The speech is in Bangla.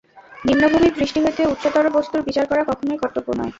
নিম্নভূমির দৃষ্টি হইতে উচ্চতর বস্তুর বিচার করা কখনই কর্তব্য নয়।